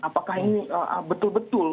apakah ini betul betul